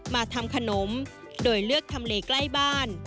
มาทำขนมโดยเลือกทำเลใกล้บ้าน